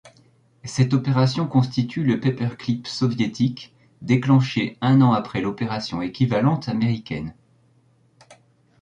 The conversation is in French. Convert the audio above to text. Cette opération constitue le Paperclip soviétique, déclenché un an après l'opération équivalente américaine.